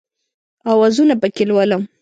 اوازونه پکښې لولم